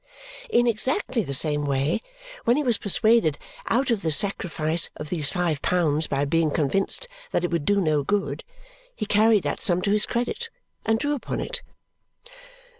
In exactly the same way, when he was persuaded out of the sacrifice of these five pounds by being convinced that it would do no good, he carried that sum to his credit and drew upon it.